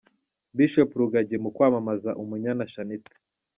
Bishop Rugagi mu kwamamaza Umunyana Shanitah.